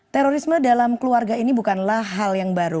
terorisme dalam keluarga ini bukanlah hal yang baru